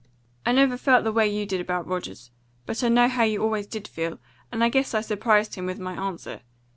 "I never felt the way you did about Rogers, but I know how you always did feel, and I guess I surprised him with my answer.